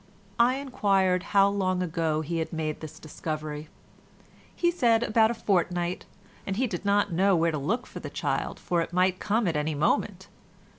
I enquired how long ago he had made this discovery. He said about a fortnight, and he did not know where to look for the child, for it might come at any moment.